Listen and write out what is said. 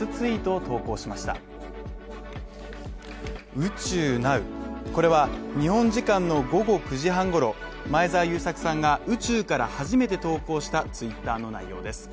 「宇宙なう」これは日本時間の午後９時半ごろ、前澤友作さんが宇宙から初めて投稿したツイッターの内容です。